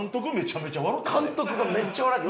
監督がめっちゃ笑って。